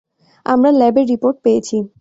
আমরা ল্যাবের রিপোর্ট পেয়েছি।